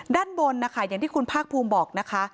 ด้านบนนะคะอย่างที่คุณภาคภูมิบอกนะคะ